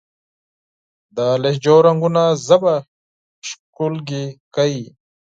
د لهجو رنګونه ژبه ښکلې کوي.